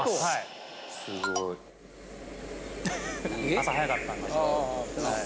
朝早かったんで。